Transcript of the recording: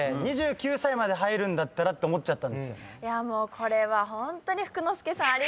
これはホントに。